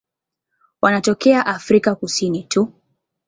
Wanatokea Afrika Kusini tu.